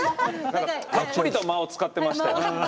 たっぷりと間を使ってましたよ。